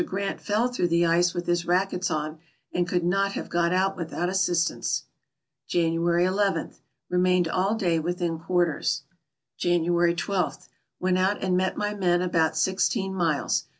Grant fell through the ice with his rackets on, and could not have got out without assistance. January u. — Remained all day within quarters. January 12. — Went out and met my men about sixteen miles.